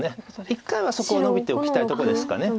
一回はそこをノビておきたいとこですか。